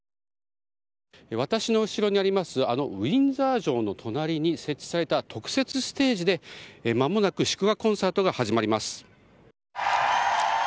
私の後ろにあります、あのウィンザー城の隣に設置された特設ステージで、まもなく祝賀コンサートが始まります。